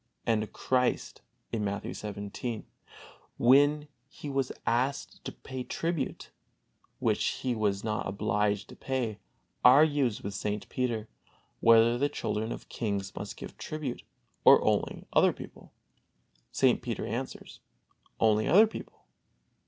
And Christ, Matthew xvii, when He was asked to pay tribute, which He was not obligated to pay, argues with St. Peter, whether the children of kings must give tribute, or only other people. St. Peter answers: "Only other people."